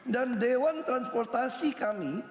dan dewan transportasi kami